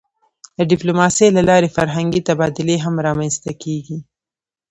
د ډیپلوماسی له لارې فرهنګي تبادلې هم رامنځته کېږي.